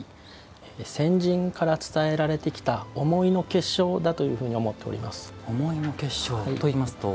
先人から伝えられてきた思いの結晶だというふうに思っております。